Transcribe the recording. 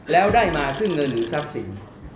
แล้วได้มาซึ่งเงินหรือทรัพย์สิน